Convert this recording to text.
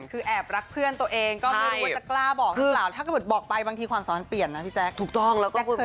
คือแอบรักเพื่อนตัวเอง